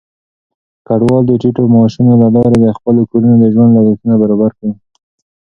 کډوال د ټيټو معاشونو له لارې د خپلو کورونو د ژوند لګښتونه برابر کړي.